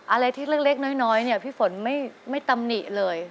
อะไรที่เล็กน้อยเนี่ยพี่ฝนไม่ตำหนิเลย